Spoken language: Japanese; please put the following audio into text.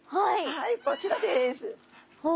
はいこちらです。